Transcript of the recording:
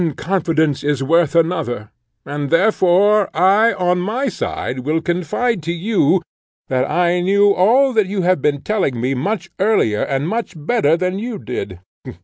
one confidence is worth another, and, therefore, I, on my side, will confide to you that I knew all that you have been telling me much earlier and much better than you did.